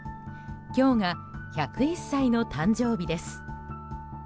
今日が１０１歳の誕生日です。